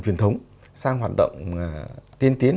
truyền thống sang hoạt động tiên tiến